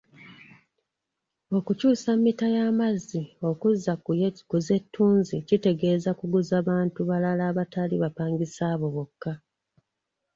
Okukyusa mmita y'amazzi okuzza ku z'ettunzi kitegeeza kuguza abantu abalala abatali bapangisaabo bokka.